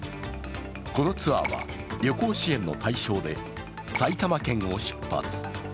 このツアーは旅行支援の対象で、埼玉県を出発。